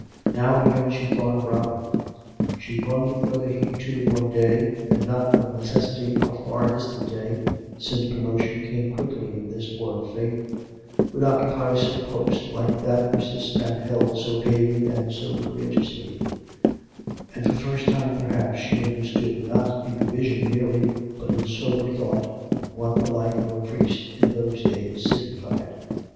Now and again she thought of Robin. She wondered whether he, too, one day (and not of necessity a far distant day, since promotion came quickly in this war of faith), would occupy some post like that which this man held so gaily and so courageously; and for the first time, perhaps, she understood not in vision merely, but in sober thought, what the life of a priest in those days signified.